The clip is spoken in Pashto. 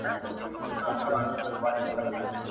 ګرېوان دي لوند دی خونه دي ورانه ..